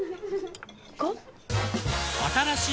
５？